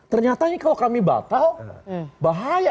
ternyata ini kalau kami batal bahaya